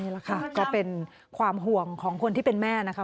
แหละค่ะก็เป็นความห่วงของคนที่เป็นแม่นะคะ